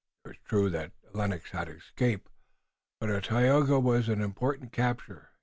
It was true that Lennox had escaped, but Tayoga was an important capture.